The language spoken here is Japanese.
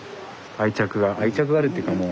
愛着が愛着があるっていうかもう。